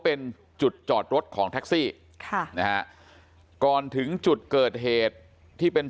เป็นจุดจอดรถของแท็กซี่ค่ะนะฮะก่อนถึงจุดเกิดเหตุที่เป็น